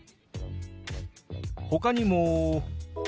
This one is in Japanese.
ほかにも。